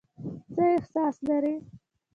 څه احساس لرئ ؟